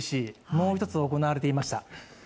もう一つ行われていました。